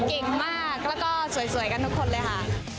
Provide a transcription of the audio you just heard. เก่งมากแล้วก็สวยกันทุกคนเลยค่ะ